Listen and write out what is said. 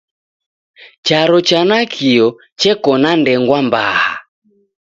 Charo cha nakio cheko na ndengwa mbaha